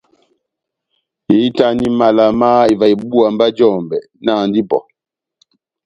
Ehitani mala má ivaha ibúwa mba jɔmbɛ, nahandi ipɔ !